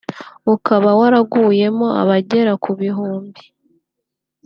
ukaba waraguyemo abagera ku bihumbi